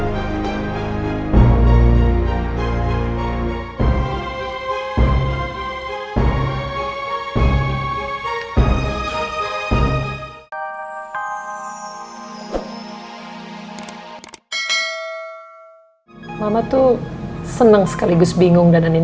sampai jumpa di video selanjutnya